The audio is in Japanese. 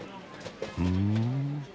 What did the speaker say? ふん。